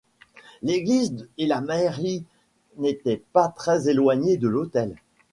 L’église et la mairie n’étaient pas très-éloignées de l’hôtel.